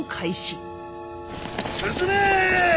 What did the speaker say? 進め！